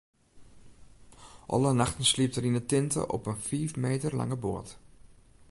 Alle nachten sliept er yn in tinte op in fiif meter lange boat.